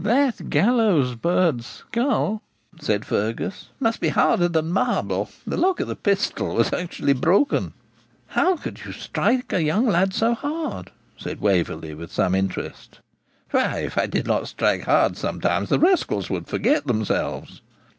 'That gallows bird's skull,' said Fergus, 'must be harder than marble; the lock of the pistol was actually broken.' 'How could you strike so young a lad so hard?' said Waverley, with some interest. 'Why, if I did not strike hard sometimes, the rascals would forget themselves.'